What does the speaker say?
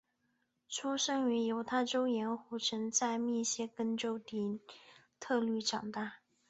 出生于犹他州盐湖城在密歇根州底特律长大。